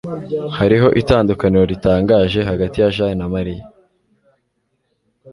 Hariho itandukaniro ritangaje hagati ya Jane na Mariya